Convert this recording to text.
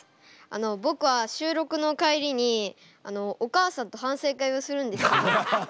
僕は収録の帰りにお母さんと反省会をするんですけれど。